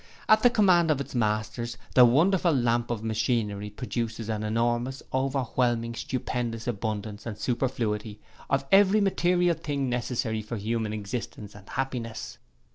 At the command of its masters the Wonderful Lamp of Machinery produces an enormous, overwhelming, stupendous abundance and superfluity of every material thing necessary for human existence and happiness.